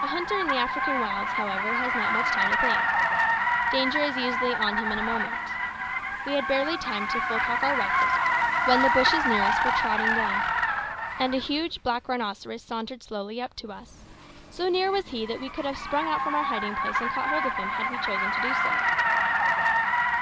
A hunter in the African wilds, however, has not much time to think. Danger is usually upon him in a moment. We had barely time to full cock our rifles when the bushes near us were trodden down, and a huge black rhinoceros sauntered slowly up to us. So near was he that we could have sprung out from our hiding place and have caught hold of him, had we chosen to do so.